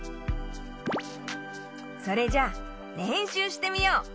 それじゃれんしゅうしてみよう。